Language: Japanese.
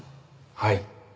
はい。